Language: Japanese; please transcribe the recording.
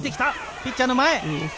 ピッチャーの前。